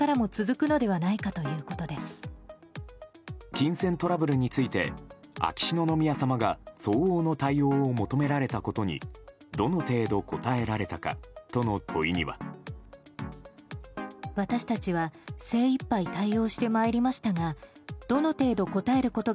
金銭トラブルについて秋篠宮さまが相応の対応を求められたことにどの程度応えられたかとの問いには。